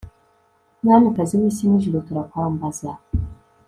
mwamikazi w'isi n'ijuru; turakwambaza